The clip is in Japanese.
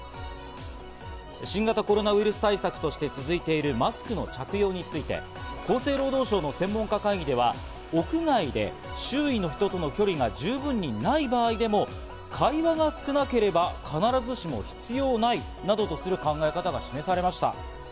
新型コロナウイルス対策として続いているマスクの着用について、厚生労働省の専門家会議では、屋外で周囲の人との距離が十分にない場合でも会話が少なければ必ずしも必要ないなどとする考え方が示されました。